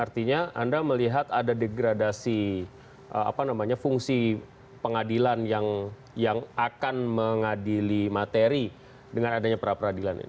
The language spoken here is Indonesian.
artinya anda melihat ada degradasi fungsi pengadilan yang akan mengadili materi dengan adanya pra peradilan ini